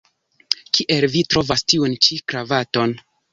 Kiel vi trovas tiun ĉi kravaton?